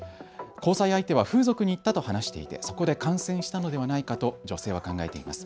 交際相手は風俗に行ったと話しており、そこで感染したのではないかと女性は考えています。